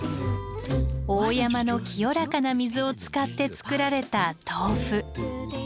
大山の清らかな水を使って作られた豆腐。